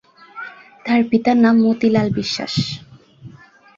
তার পিতার নাম মতিলাল বিশ্বাস।